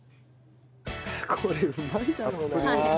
これうまいだろうなあ。